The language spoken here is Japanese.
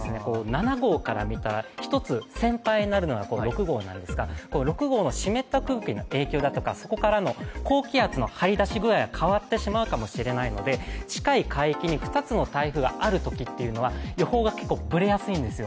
７号から見たら１つ先輩になるのが６号なんですが、６号の湿った空気の影響だとか、そこからの高気圧の張り出し具合が変わってしまうかもしれないので近い海域に２つの台風があるときというのは予報が結構ぶれやすいんですよ。